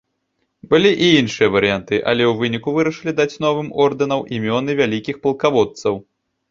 Былі і іншыя варыянты, але ў выніку вырашылі даць новым ордэнаў імёны вялікіх палкаводцаў.